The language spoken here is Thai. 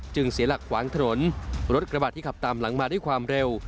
เสียหลักขวางถนนรถกระบาดที่ขับตามหลังมาด้วยความเร็ว